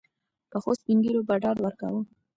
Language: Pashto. پخوسپین ږیرو به ډاډ ورکاوه.